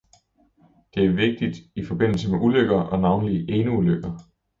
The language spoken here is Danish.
Det er vigtigt i forbindelse med ulykker og navnlig eneulykker.